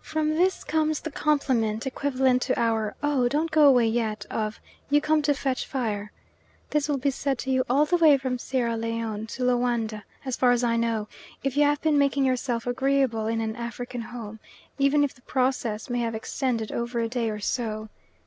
From this comes the compliment, equivalent to our "Oh! don't go away yet," of "You come to fetch fire." This will be said to you all the way from Sierra Leone to Loanda, as far as I know, if you have been making yourself agreeable in an African home, even if the process may have extended over a day or so.